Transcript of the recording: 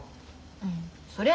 うんそりゃ